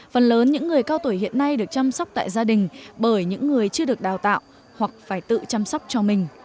phần lớn những người cao tuổi hiện nay được chăm sóc tại gia đình bởi những người chưa được đào tạo hoặc phải tự chăm sóc cho mình